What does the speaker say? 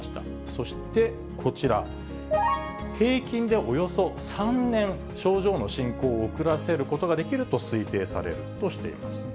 そしてこちら、平均でおよそ３年、症状の進行を遅らせることができると推定されるとしています。